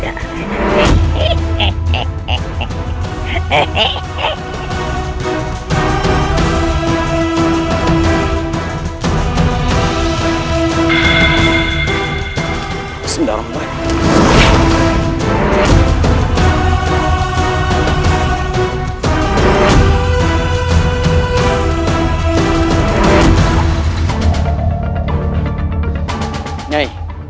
apakah ini tadi